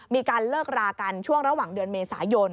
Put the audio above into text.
มีการเลิกรากันช่วงระหว่างเดือนเมษายน